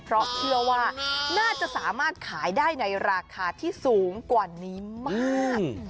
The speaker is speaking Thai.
เพราะเชื่อว่าน่าจะสามารถขายได้ในราคาที่สูงกว่านี้มาก